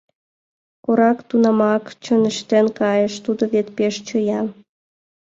Корак тунамак чоҥештен кайыш, тудо вет пеш чоя.